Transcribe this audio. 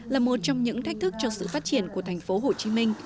là một trong những thách thức cho sự phát triển của tp hcm